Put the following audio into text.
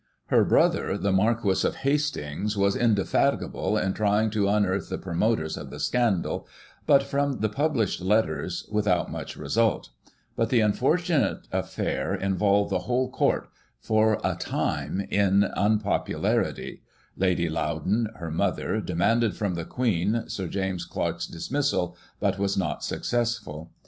[1839 Her brother, the Marquis of Hastings, was indefatigable in trying to unearth the promoters of the scandal, but, from the published letters, without much result; but the unfortunate affair involved the whole Court, for a time, in unpopularity — Lady Loudon, her mother, demanded from the Queen, Sir James Clark's dismissal, but was not successful.